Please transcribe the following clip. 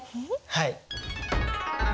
はい。